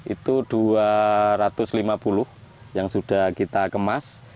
itu dua ratus lima puluh yang sudah kita kemas